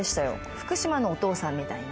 福島のお父さんみたいな。